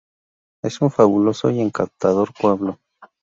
Es un fabuloso y encantador pueblo.